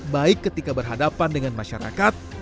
baik ketika berhadapan dengan masyarakat